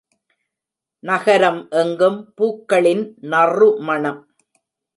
நகரம் எங்கும் பூக்களின் நறுமணம்.